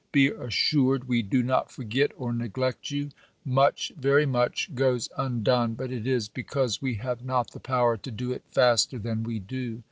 Be assured we do not forget or neglect you. Much, very much, goes undone; but it is be cause we have not the power to do it faster than we do.